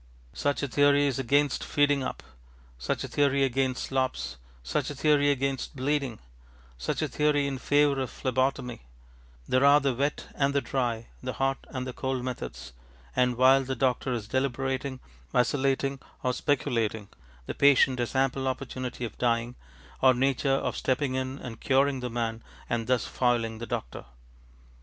Such a theory is against feeding up, such a theory against slops, such a theory against bleeding, such a theory in favour of phlebotomy; there are the wet and the dry, the hot and the cold methods; and while the doctor is deliberating, vacillating, or speculating, the patient has ample opportunity of dying, or nature of stepping in and curing the man, and thus foiling the doctor.